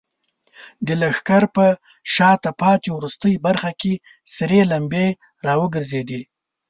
د لښکر په شاته پاتې وروستۍ برخه کې سرې لمبې راوګرځېدې.